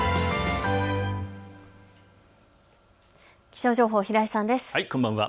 気象情報、平井さんです。